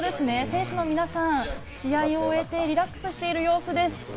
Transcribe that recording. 選手の皆さん、試合を終えてリラックスしている様子です。